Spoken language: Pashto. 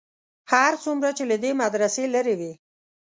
هر څومره چې له دې مدرسې لرې وې.